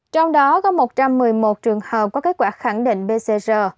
trong đó có một trăm một mươi một trường hợp có kết quả khẳng định pcr